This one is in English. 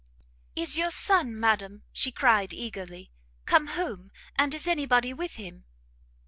"Is your son, madam," she cried, eagerly, "come home? and is any body with him?"